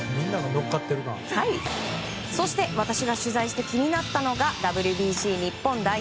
そして私が取材して気になったのがＷＢＣ日本代表